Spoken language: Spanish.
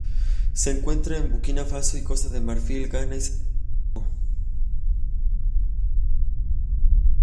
Se encuentra en Burkina Faso, Costa de Marfil, Ghana, Senegal y Togo.